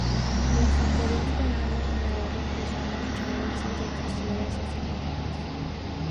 La infantería española de Navarro empezó a marchar e hizo retroceder a sus enemigos.